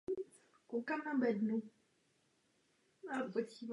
Je považován za hlavního představitele národně orientovaného romantismu v dánské literatuře.